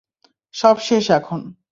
সব শেষ এখন।